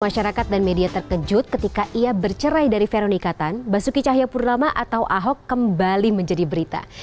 masyarakat dan media terkejut ketika ia bercerai dari veronika tan basuki cahayapurnama atau ahok kembali menjadi berita